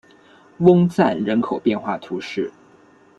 翁赞人口变化图示